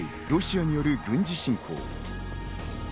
ロシアによる軍事侵攻。